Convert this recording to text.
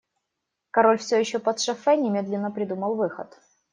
Король, все еще подшофе, немедленно придумал выход.